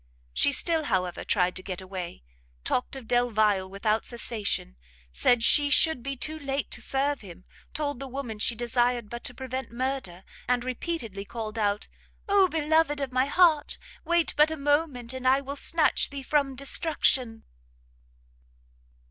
She still, however, tried to get away; talked of Delvile without cessation, said she should be too late to serve him, told the woman she desired but to prevent murder, and repeatedly called out, "Oh beloved of my heart! wait but a moment, and I will snatch thee from destruction!"